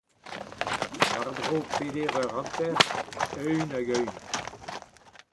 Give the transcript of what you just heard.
War-dro peder eur hanter… eeun-hag-eeun.